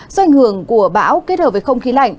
do ảnh hưởng của bão kết hợp với không khí lạnh